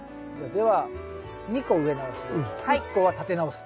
では２個植え直しで１個は立て直す。